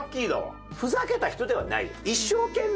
ふざけた人ではないじゃん。